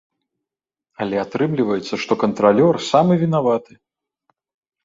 Але атрымліваецца, што кантралёр самы вінаваты!